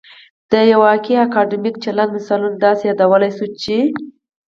د یو واقعي اکادمیک چلند مثالونه داسې يادولای شو چې